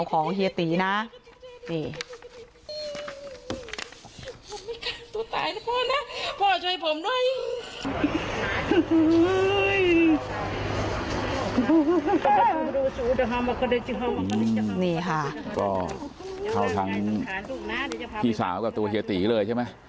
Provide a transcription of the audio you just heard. ก็เข้าทั้งพี่สาวกับตัวเรียตรีเลยใช่ไหม